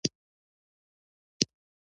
دا د دوامداره سټرېس له وجې کميږي